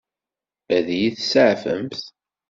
Ad iyi-iseɛfent?